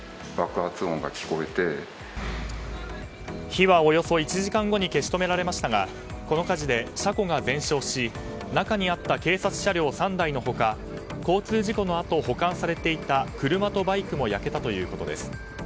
火はおよそ１時間後に消し止められましたがこの火事で車庫が全焼し中にあった警察車両３台の他交通事故のあと保管されていた車とバイクも焼けたということです。